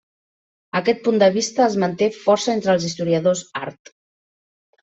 Aquest punt de vista es manté força entre els historiadors art.